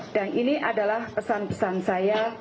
dan ini adalah pesan pesan saya